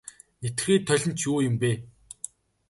Нэвтэрхий толь нь ч юу юм бэ.